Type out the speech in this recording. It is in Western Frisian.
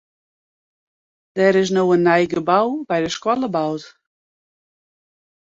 Der is no in nij gebou by de skoalle boud.